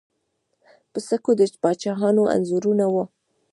په سکو د پاچاهانو انځورونه وو